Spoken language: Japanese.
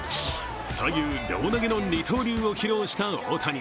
左右両投げの二刀流を披露した大谷。